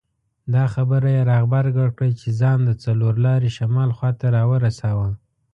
دا خبره یې را غبرګه کړه چې ځان د څلور لارې شمال خواته راورساوه.